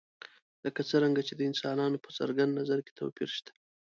لکه څرنګه چې د انسانانو په څرګند نظر کې توپیر شته.